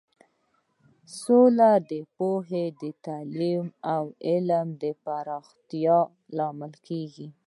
سوله د پوهې، تعلیم او علم د پراختیا لامل کیږي.